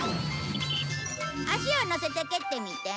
足を乗せて蹴ってみて。